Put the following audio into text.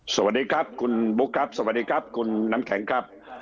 สวัสดีครับคุณบุ๊คครับสวัสดีครับคุณน้ำแข็งครับ